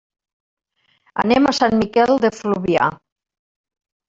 Anem a Sant Miquel de Fluvià.